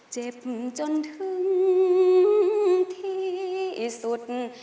เจ็บจนถึงที่สุด